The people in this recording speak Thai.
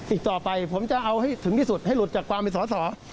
อีกต่อไปผมจะเอาให้ถึงที่สุดให้หลุดจากความเป็นสอสอ